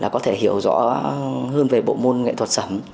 có thể hiểu rõ hơn về bộ môn nghệ thuật sấm